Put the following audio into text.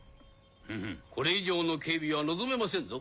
フフこれ以上の警備は望めませんぞ。